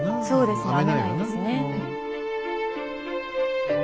そうです。